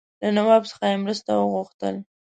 له نواب څخه یې مرسته وغوښتل.